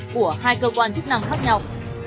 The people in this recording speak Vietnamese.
của hai cơ quan chức năng khác nhau